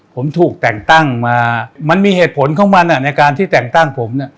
ผมถูกแต่งตั้งมามันมีเหตุผลของมันในการที่แต่งตั้งผมเนี่ย